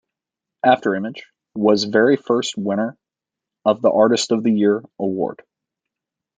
Afterimage was very first winner of the Artist of the Year award.